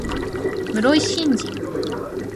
室井慎次